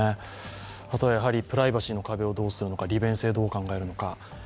あとはプライバシーの壁をどうするのか利便性どう考えるのか。